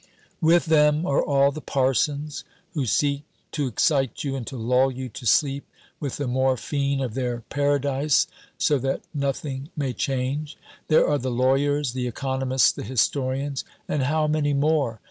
With them are all the parsons, who seek to excite you and to lull you to sleep with the morphine of their Paradise, so that nothing may change. There are the lawyers, the economists, the historians and how many more?